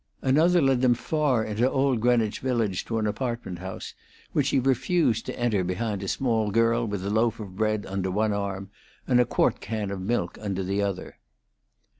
Another led them far into old Greenwich Village to an apartment house, which she refused to enter behind a small girl with a loaf of bread under one arm and a quart can of milk under the other.